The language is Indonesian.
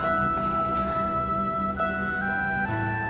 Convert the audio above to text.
ini dia sekarang